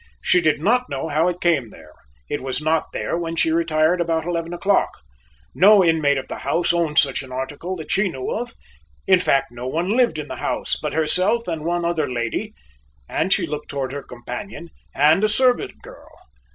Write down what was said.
She did not know how it came there; it was not there when she retired about eleven o'clock. No inmate of the house owned such an article that she knew of. In fact no one lived in the house but herself and one other lady and she looked toward her companion, and a servant girl.